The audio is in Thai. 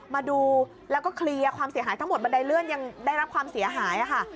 มาดูแล้วก็เคลียร์ความเสียหายทั้งหมดบันไดเลื่อนยังได้รับความเสียหายค่ะ